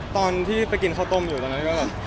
ตอนที่ไปกินข้าวต้มอยู่ตรงนั้นก็แบบ